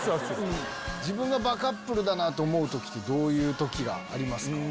自分がバカップルだと思う時ってどういう時がありますか？